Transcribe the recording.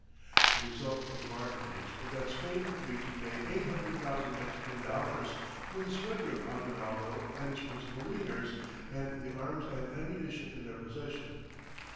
The result of the bargainings was that Spain agreed to pay eight hundred thousand Mexican dollars for the surrender of Aguinaldo and his principal leaders and the arms and ammunition in their possession.